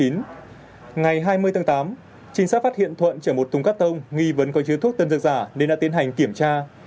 ngày hai mươi tháng tám trinh sát phát hiện thuận chở một thùng cắt tông nghi vấn có chứa thuốc tân dược giả nên đã tiến hành kiểm tra